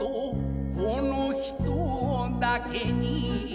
この人だけに」